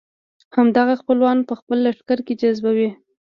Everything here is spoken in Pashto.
همدغه خپلوان په خپل لښکر کې جذبوي.